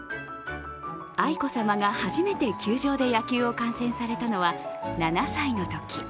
愛子さまが初めて球場で野球を観戦されたのは７歳のとき。